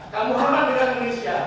kamu hormat negara indonesia